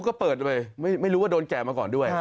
ก็เปิดไปไม่รู้ว่าโดนแก่มาก่อนด้วย